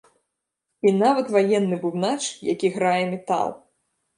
І нават ваенны бубнач, які грае метал!